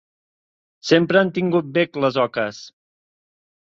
Sempre han tingut bec les oques.